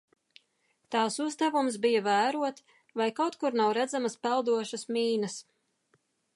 Tās uzdevums bija vērot, vai kaut kur nav redzamas peldošas mīnas.